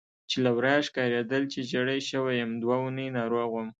چې له ورایه ښکارېدل چې ژېړی شوی یم، دوه اونۍ ناروغ وم.